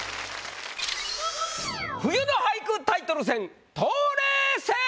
冬の俳句タイトル戦冬麗戦！